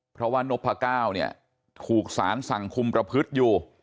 เพราะว่านพก้าวเนี่ยถูกสารสั่งคุมประพฤติอยู่